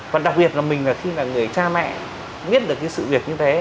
còn đặc biệt là mình là khi mà người cha mẹ biết được cái sự việc như thế